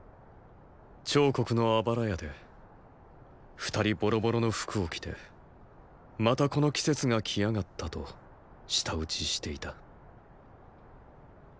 趙国のあばら屋で二人ボロボロの服を着て「またこの季節が来やがった」と舌うちしていた。